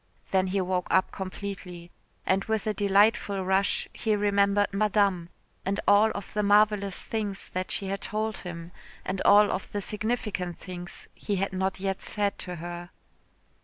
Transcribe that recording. Then he woke up completely, and with a delightful rush he remembered Madame and all of the marvellous things that she had told him and all of the significant things he had not yet said to her.